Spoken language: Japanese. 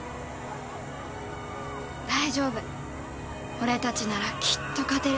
大丈夫俺たちならきっと勝てる。